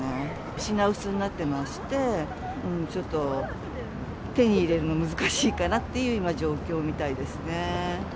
品薄になってまして、ちょっと手に入れるの難しいかなっていう、今、状況みたいですね。